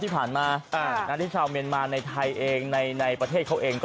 ที่เต่าราชาวเมียนมาในไทยในประเทศเขาเอง